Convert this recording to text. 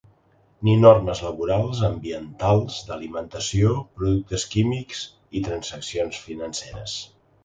Ni normes laborals, ambientals, d’alimentació, productes químics i transaccions financeres.